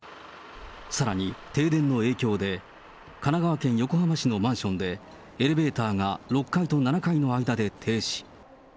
さらに停電の影響で、神奈川県横浜市のマンションで、エレベーターが６階と７階の間で停止。